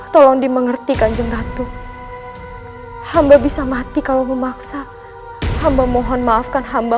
tolong dimengerti kanjeng ratu hamba bisa mati kalau memaksa hamba mohon maafkan hamba